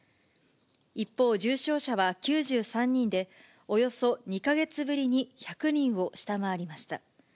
一方、重症者は９３人で、およそ２か月ぶりに１００人を下回りました。